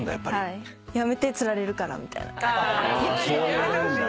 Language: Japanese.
・やめてほしい。